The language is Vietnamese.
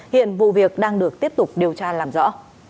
hiện vụ việc đang được tiếp tục điều tra làm rõ